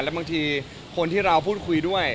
แล้วบางทีคนที่เราพูดคุยด้วย